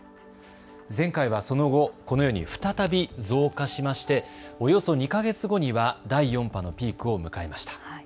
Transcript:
前回はその後、このように再び増加しましておよそ２か月後には第４波のピークを迎えました。